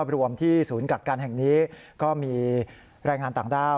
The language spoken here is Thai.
รวมที่ศูนย์กักกันแห่งนี้ก็มีแรงงานต่างด้าว